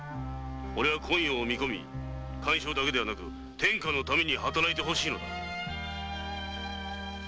オレは昆陽を見込み甘藷だけでなく天下のために働いて欲しいのだ。